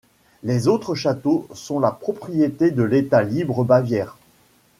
Les autres châteaux sont la propriété de l’État libre Bavière.